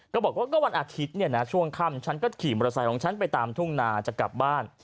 ก็บอกว่าก็วันอาทิตย์เนี่ยนะช่วงค่ำฉันก็ขี่มอเตอร์ไซค์ของฉันไปตามทุ่งนาจะกลับบ้าน